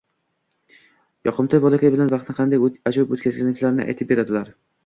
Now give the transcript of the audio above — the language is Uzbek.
yoqimtoy bolakay bilan vaqtni qanday ajoyib o‘tkazganliklari aytib beradilar.